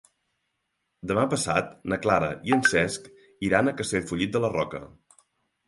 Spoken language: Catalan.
Demà passat na Clara i en Cesc iran a Castellfollit de la Roca.